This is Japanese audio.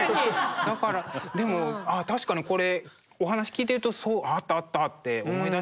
でも確かにこれお話聞いてるとあったあったって思い出しました。